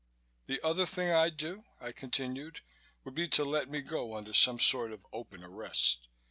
"The other thing I'd do," I continued, "would be to let me go under some sort of open arrest.